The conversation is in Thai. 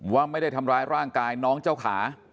ว่าไม่ได้ทำร้ายร่างกายน้องเจ้าขา